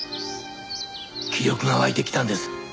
気力が湧いてきたんです。